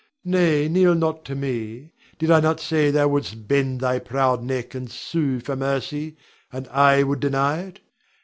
Nay, kneel not to me. Did I not say thou wouldst bend thy proud head, and sue for mercy, and I would deny it?